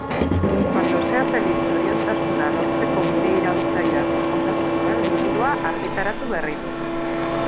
Cuando sea feliz zoriontasuna lortzeko bide iraultzailea proposatzen duen liburua argitaratu berri du.